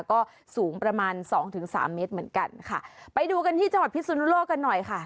ก็สูงประมาณสองถึงสามเมตรเหมือนกันค่ะไปดูกันที่จังหวัดพิสุนุโลกกันหน่อยค่ะ